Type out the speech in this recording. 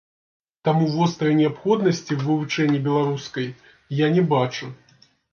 Таму вострай неабходнасці ў вывучэнні беларускай я не бачу.